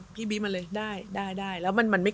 พี่บีบมาเลยได้